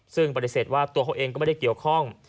ซึ่งปฏิเสธว่าตัวเขาเองก็ไม่ได้เกี่ยวข้อง